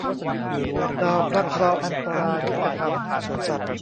ดาวพระเคราะห์